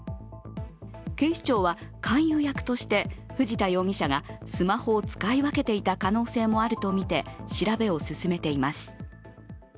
警視庁は勧誘役として藤田容疑者がスマホを使い分けていた可能性もあるとみて、調べを進めています。